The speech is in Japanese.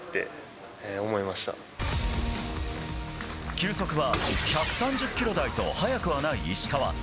球速は１３０キロ台と速くはない石川。